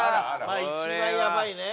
一番やばいね。